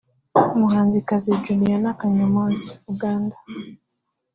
umuhanzikazi Juliana Kanyomozi(Uganda)